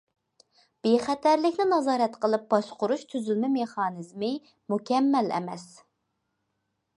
بىخەتەرلىكنى نازارەت قىلىپ باشقۇرۇش تۈزۈلمە مېخانىزمى مۇكەممەل ئەمەس.